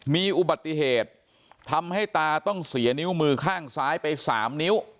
มีอุบัติเหตุทำให้ตาต้องเสียนิ้วมือข้างซ้ายไป๓นิ้ว